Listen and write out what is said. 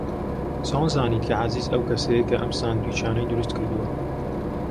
چۆن زانیت کە عەزیز ئەو کەسەیە کە ئەم ساندویچانەی دروست کردووە؟